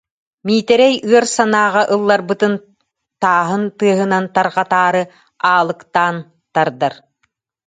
Миитэрэй ыар санааҕа ылларбытын тааһын тыаһынан тарҕатаары аалыктаан тардар.